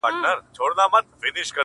پرېږده چي تڼاکي مي اوبه کم په اغزیو کي٫